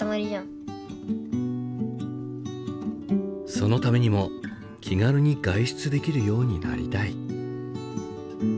そのためにも気軽に外出できるようになりたい。